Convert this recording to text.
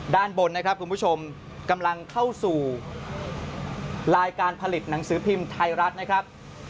ด้านบนนะครับคุณผู้ชมกำลังเข้าสู่ลายการผลิตหนังสือพิมพ์ไทยรัฐนะครับ